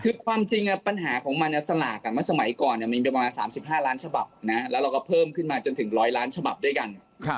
คือความจริงปัญหาของมันสลากเมื่อสมัยก่อนมันมีประมาณ๓๕ล้านฉบับแล้วเราก็เพิ่มขึ้นมาจนถึง๑๐๐ล้านฉบับด้วยกัน